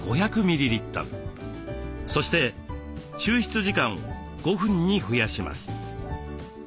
そして抽出時間を５分に増やします。